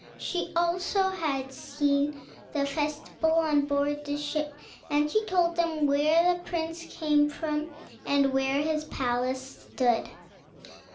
She had also seen the festival on board ship, and she told them where the prince came from, and where his palace stood.